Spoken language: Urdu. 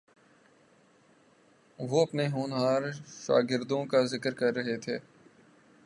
وہ اپنے ہونہار شاگردوں کا ذکر کر رہے تھے